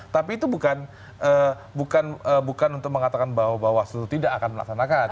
tapi itu bukan untuk mengatakan bahwa bawaslu tidak akan melaksanakan